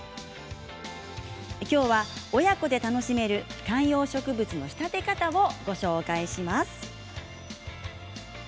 きょうは親子で楽しめる観葉植物の仕立て方をご紹介します。